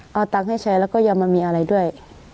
เอาตังค์ให้ใช้แล้วก็อย่ามามีอะไรด้วย